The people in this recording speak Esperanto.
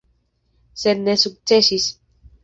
Sed ne sukcesis.